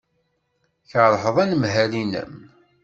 Tkeṛheḍ anemhal-nnem.